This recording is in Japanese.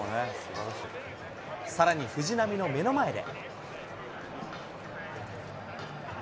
さらに藤浪の目の前で。